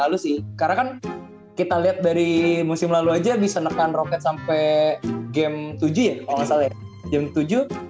edu kakaichly yang kleren asur unserenole in lucca ke suatu part lima berloo kmir dan berimajak cerdaloh alam terhadap russell van ai